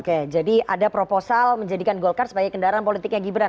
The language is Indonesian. oke jadi ada proposal menjadikan golkar sebagai kendaraan politiknya gibran